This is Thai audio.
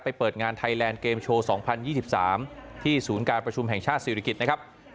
เปิดงานไทยแลนด์เกมโชว์๒๐๒๓ที่ศูนย์การประชุมแห่งชาติศิริกิจนะครับ